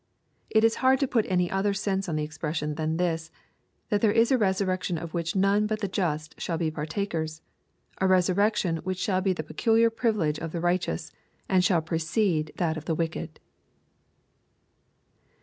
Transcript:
It is hard to put any other sense on the expression than this, that there is a resurrection of which none but the just shall be partaker's, — a resurrection which shall be the pecuhar privilege of the righteous, and shall precede that of the wicked.